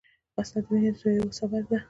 وسله د وینې د تویېدو سبب ده